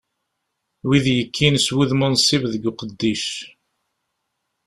Wid yekkin s wudem unsib deg uqeddic.